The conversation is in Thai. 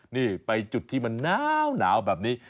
นี่ไปจุดที่มันหนาวแบบนี้